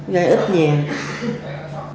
vậy ít nhiều